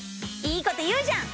いいこと言うじゃん！